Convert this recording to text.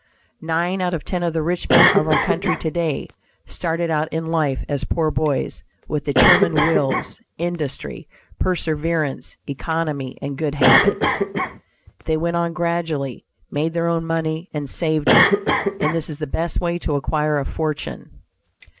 Nine out of ten of the rich men of our country to day, started out in life as poor boys, with determined wills, industry, perseverance, economy and good habits. They went on gradually, made their own money and saved it; and this is the best way to acquire a fortune.